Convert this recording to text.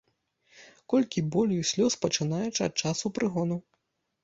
Колькі болю і слёз, пачынаючы ад часу прыгону!